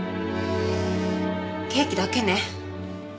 ケーキだけね。